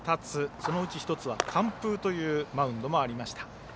そのうち１つは完封というマウンドもありました。